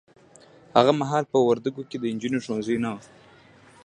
هغه محال په وردګو کې د نجونو ښونځي نه وه